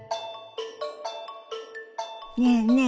ねえねえ